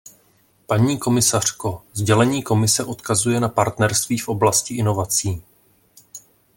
Paní komisařko, sdělení Komise odkazuje na partnerství v oblasti inovací.